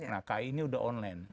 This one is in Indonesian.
nah kai ini sudah online